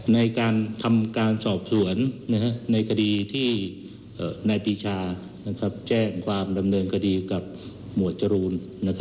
ในการทำการสอบสวนในคดีที่นายปีชาแจ้งความดำเนินคดีกับหมวดจรูน